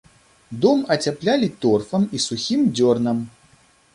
Дом ацяплялі торфам і сухім дзёрнам.